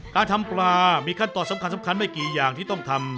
การทำปลามีขั้นตอนสำคัญไม่กี่อย่างที่ต้องทำ